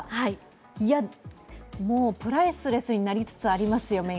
いや、もうプライスレスになりつつありますよ。